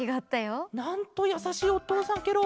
なんとやさしいおとうさんケロ。